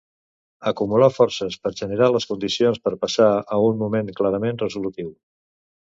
Acumular forces per generar les condicions per passar a un moment clarament resolutiu.